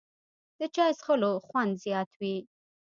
د چای څښلو خوند زیات وي